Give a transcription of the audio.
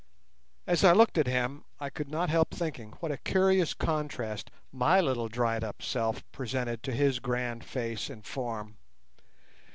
As I looked at him I could not help thinking what a curious contrast my little dried up self presented to his grand face and form.